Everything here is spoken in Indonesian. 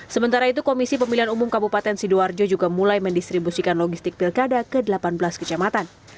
sementara itu komisi pemilihan umum kabupaten sidoarjo juga mulai mendistribusikan logistik pilkada ke delapan belas kecamatan